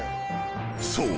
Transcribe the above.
［そう。